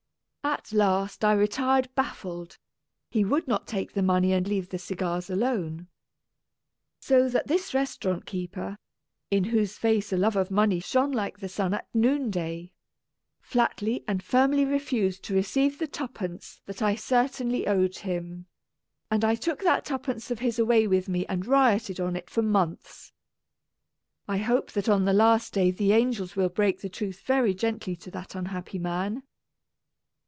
At last I retired baffled : he would not take the money and leave the cigars alone. So that this restaurant keeper (in whose face a love of money shone like the sun at noonday) flatly and firmly re fused to receive the twopence that I cer tainly owed him ; and I took that twopence of his away with me and rioted on it for months. I hope that on the last day the angels will break the truth very gently to that unhappy man.